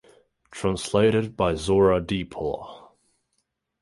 Translated by Zora Depolo.